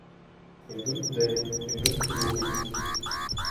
Ідуть день, ідуть другий.